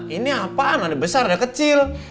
ini apaan ada besar ada kecil